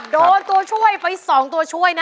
โดนตัวช่วยไป๒ตัวช่วยนะ